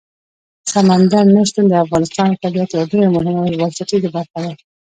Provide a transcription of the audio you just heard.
سمندر نه شتون د افغانستان د طبیعت یوه ډېره مهمه او بنسټیزه برخه ده.